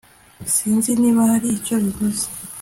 sinzi niba hari icyo bivuze